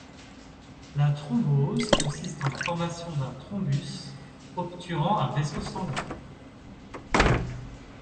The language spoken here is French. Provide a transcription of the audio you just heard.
La thrombose consiste en la formation d'un thrombus obturant un vaisseau sanguin.